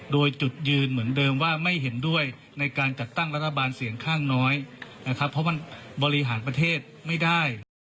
โดยจุดยืนเหมือนเดิมว่าไม่เห็นด้วยในการจัดตั้งรัฐบาลเสียงข้างน้อยนะครับเพราะมันบริหารประเทศไม่ได้